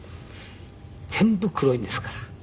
全部黒いんですから。